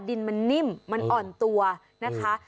ดินมันนิ่มมันอ่อนตัวนะคะ